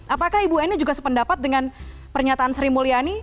apakah ibu eni juga sependapat dengan pernyataan sri mulyani